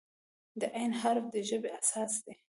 د "ع" حرف د ژبې اساس دی.